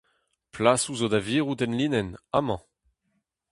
Plasoù zo da virout enlinenn, amañ.